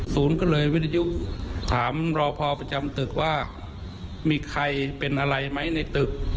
ศูนย์ก็เลยวิทยุถามรอพอประจำตึกว่ามีใครเป็นอะไรไหมในตึก